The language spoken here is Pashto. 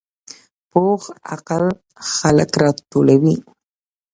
پوخ عقل خلک راټولوي